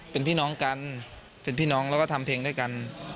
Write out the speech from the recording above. เป็นพี่น้องกันเป็นพี่น้องแล้วก็ทำเพลงด้วยกัน